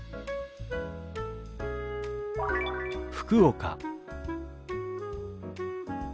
「福岡」。